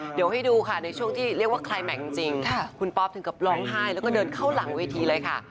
เดี๋ยวให้ดูค่ะในช่วงที่เรียกว่าคลายแม็กซ์จริงคุณป๊อปถึงกับร้องไห้แล้วก็เดินเข้าหลังเวทีเลยค่ะ